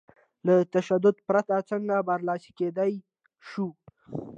له تشدد پرته څنګه برلاسي کېدای شو؟